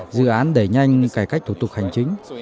dự án đẩy nhanh cải cách thủ tục hành chính